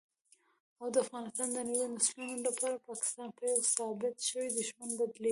او دافغانانو دنويو نسلونو لپاره پاکستان په يوه ثابت شوي دښمن بدليږي